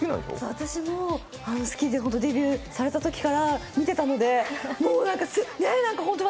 私も好きでデビューされたときから、見てたのでもうほんと